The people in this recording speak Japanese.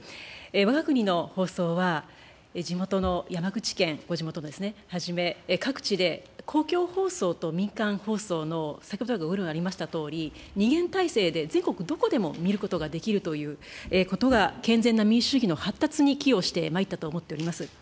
わが国の放送は、地元の山口県、ご地元のですね、はじめ、各地で公共放送と民間放送の、先ほど来ご議論ありましたとおり、二元体制で、全国どこでも見ることができるということが、健全な民主主義の発達に寄与してまいったと思っております。